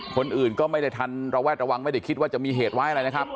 คนอื่นก็ไม่ได้ทันระแวดระวังไม่ได้คิดว่าจะมีเหตุไว้อะไรนะครับ